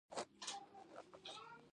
چې د اتریشیانو په ولقه کې وه.